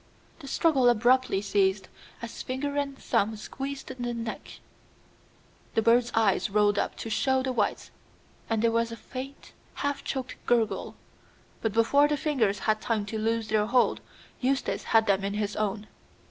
The struggle abruptly ceased as finger and thumb squeezed the neck; the bird's eyes rolled up to show the whites, and there was a faint, half choked gurgle. But before the fingers had time to loose their hold, Eustace had them in his own.